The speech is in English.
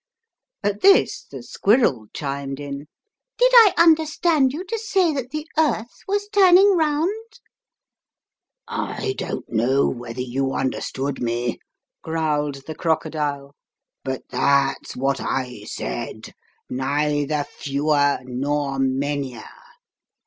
At this the squirrel chimed in: "Did I understand you to say that the earth was turning round?" "I don't know whether you understood 4O Tommy Jcnoivs all about it. me," growled the crocodile, "but that's what I said, neither fewer nor manyer."